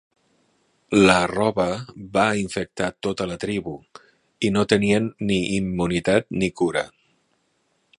La roba va infectar tota la tribu, i no tenien ni immunitat ni cura.